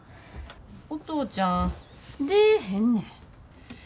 お父ちゃん出ぇへんねん。